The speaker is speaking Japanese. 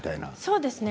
そうですね。